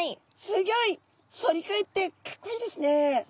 すギョい反り返ってかっこいいですね。